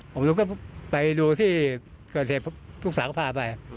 ผมก็ไปดูที่เกิดเหตุลูกสาวก็พาไป